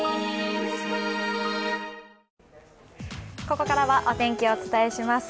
ここからはお天気、お伝えします。